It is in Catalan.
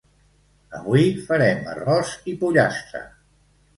Avui farem arròs i pollastre.